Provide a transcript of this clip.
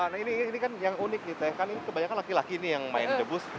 nah ini kan yang unik gitu ya kan kebanyakan laki laki ini yang main debus